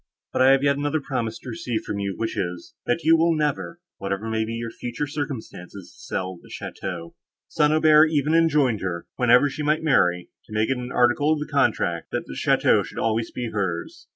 "But I have yet another promise to receive from you, which is—that you will never, whatever may be your future circumstances, sell the château." St. Aubert even enjoined her, whenever she might marry, to make it an article in the contract, that the château should always be hers.